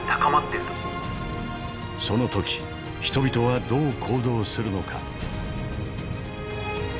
その時人々はどう行動するのか。